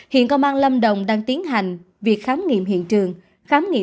hiện công an lâm đồng đang tiến hành việc khám nghiệm hiện trường